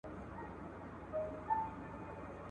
شپې ناوخته خوراک او بې ترتیبه خوب هم د وزن زیاتوالي سبب کېږي.